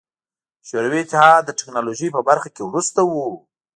شوروي اتحاد د ټکنالوژۍ په برخه کې وروسته و.